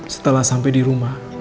setelah sampai di rumah